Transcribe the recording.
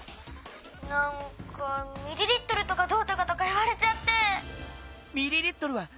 なんかミリリットルとかどうとかとかいわれちゃって」。